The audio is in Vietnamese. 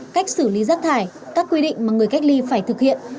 cách xử lý rác thải các quy định mà người cách ly phải thực hiện